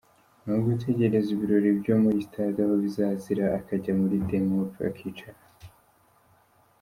N’ugutegereza ibirori byo muri stade aho bizazira akajya muri demob akicara.